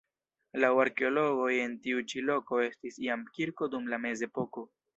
Laŭ arkeologoj en tiu ĉi loko estis jam kirko dum la mezepoko.